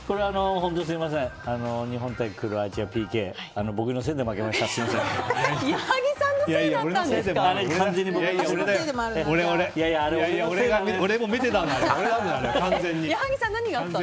本当すみません日本対クロアチア、ＰＫ僕のせいで負けましたすみません。